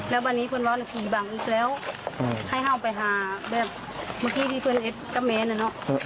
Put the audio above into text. แล้ววันนี้เพื่อนว้าวนักภูมิบ้างแล้วให้เข้าไปหาแบบเมื่อกี้ที่เพื่อนเอ็ดกับแม่เนี่ยเนอะ